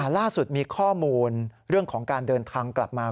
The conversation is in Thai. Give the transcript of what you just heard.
ล่าสุดมีข้อมูลเรื่องของการเดินทางกลับมา